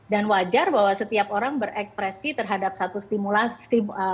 dan wajar bahwa setiap orang berekspresi terhadap satu stimulansi